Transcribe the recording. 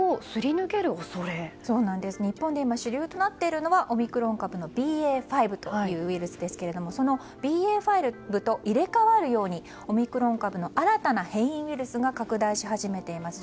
日本で今主流となっているのはオミクロン株のＢＡ．５というウイルスですけどもそのＢＡ．５と入れ替わるようにオミクロン株の新たな変異ウイルスが拡大し始めています。